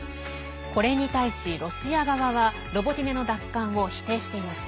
これに対し、ロシア側はロボティネの奪還を否定しています。